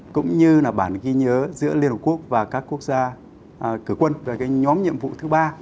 cũng như là bản ghi nhớ giữa liên hợp quốc và các quốc gia cửa quân về cái nhóm nhiệm vụ thứ ba